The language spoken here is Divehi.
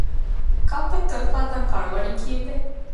ކަންފަތް ތޮރުފާ ތަން ކަޅުވަނީ ކީއްވެ؟